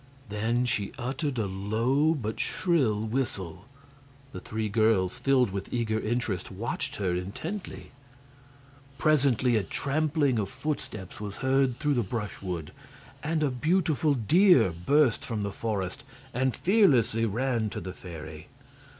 Then she uttered a low but shrill whistle. The three girls, filled with eager interest, watched her intently. Presently a trampling of footsteps was heard through the brushwood, and a beautiful deer burst from the forest and fearlessly ran to the fairy.